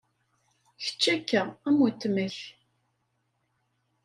Kečč akka am uttma-k.